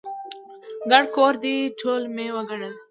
ګڼه کور دی، ټول مې وګڼل.